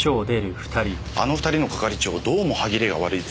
あの２人の係長どうも歯切れが悪いですね。